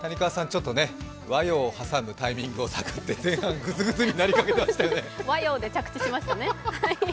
ちょっとね和洋を挟むタイミングをさぐって前半、ぐずぐずになりかけてましたね。